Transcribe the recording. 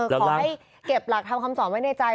ขอให้เก็บหลักทำคำสอนไว้ในใจ